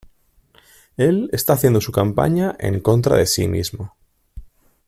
Él está haciendo su campaña en contra de sí mismo.